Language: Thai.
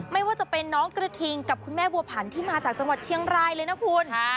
ไม่ว่าจะเป็นน้องกระทิงกับคุณแม่บัวผันที่มาจากจังหวัดเชียงรายเลยนะคุณ